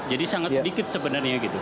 jadi sangat sedikit sebenarnya gitu